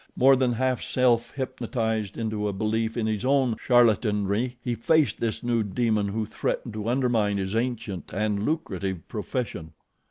More than half self hypnotized into a belief in his own charlatanry he faced this new demon who threatened to undermine his ancient and lucrative profession.